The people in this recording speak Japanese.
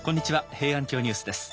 「平安京ニュース」です。